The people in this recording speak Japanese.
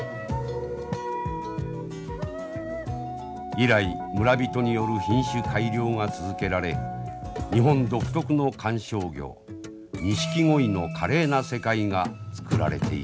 以来村人による品種改良が続けられ日本独特の観賞魚ニシキゴイの華麗な世界が作られていきました。